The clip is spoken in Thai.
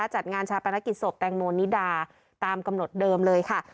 จัดงานชาปนกิจศพแตงโมนิดาตามกำหนดเดิมเลยค่ะ